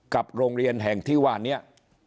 กับโรงเรียนแห่งทิวาเนี้ย